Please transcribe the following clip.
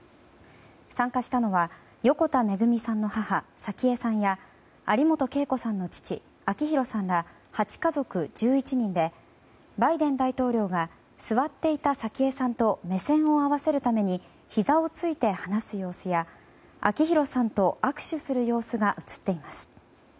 参加したのは横田めぐみさんの母早紀江さんや有本恵子さんの父・明弘さんら８家族１１人でバイデン大統領が座っていた早紀江さんと目線を合わせるためにひざをついて話す様子や、明弘さんと握手する様子が写っています。